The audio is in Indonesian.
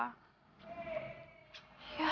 warung itu tuh selain menghidupi keluarga aku